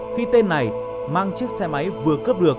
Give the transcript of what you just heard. khi tên này mang chiếc xe máy vừa cướp được